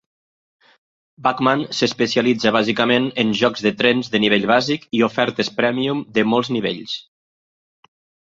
Bachmann s'especialitza bàsicament en jocs de trens de nivell bàsic i ofertes prèmium de molts nivells.